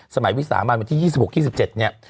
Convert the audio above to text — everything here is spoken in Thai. สมัยวิสามารถวันที่๒๖๒๗